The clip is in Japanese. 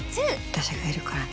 私がいるからね。